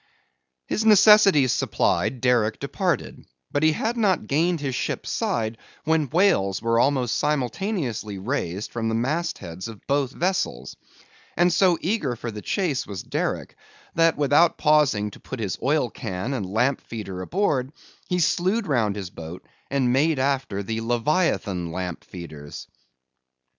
His necessities supplied, Derick departed; but he had not gained his ship's side, when whales were almost simultaneously raised from the mast heads of both vessels; and so eager for the chase was Derick, that without pausing to put his oil can and lamp feeder aboard, he slewed round his boat and made after the leviathan lamp feeders.